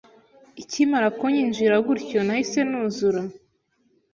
ikimara kunyinjira gutyonahise nuzura